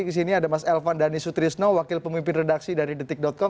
di sini ada mas elvan dhani sutrisno wakil pemimpin redaksi dari detik com